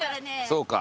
そうか。